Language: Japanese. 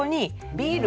ビール？